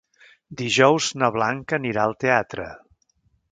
Dijous na Blanca anirà al teatre.